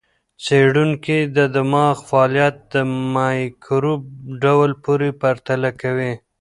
څېړونکي د دماغ فعالیت د مایکروب ډول پورې پرتله کوي.